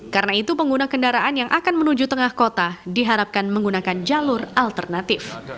karena itu pengguna kendaraan yang akan menuju tengah kota diharapkan menggunakan jalur alternatif